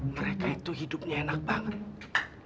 mereka itu hidupnya enak banget